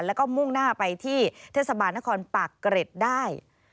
แล้วก็มุ่งหน้าไปที่เทศบาลนครปากเกร็ดได้